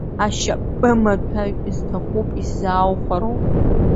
Ашьапымаҭәагь сҭахуп, исзааухәароуп!